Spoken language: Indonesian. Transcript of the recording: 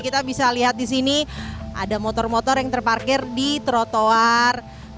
kita bisa lihat di sini ada motor motor yang terparkir di trotoar